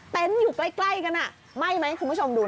เต็นต์อยู่ใกล้กันน่ะไหม้มั้ยคุณผู้ชมดูนะ